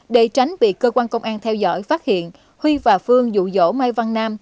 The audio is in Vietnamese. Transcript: để tránh bị cơ quan công an theo dõi phát hiện huy và phương dụ dỗ mai văn nam